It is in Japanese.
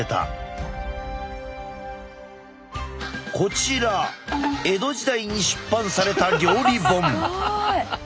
こちら江戸時代に出版された料理本。